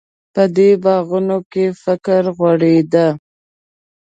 په دې باغونو کې فکر غوړېده.